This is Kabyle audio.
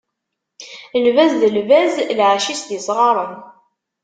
Lbaz d lbaz, lɛac-is d isɣaṛen.